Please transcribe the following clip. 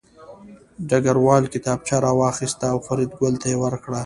ډګروال کتابچه راواخیسته او فریدګل ته یې ورکړه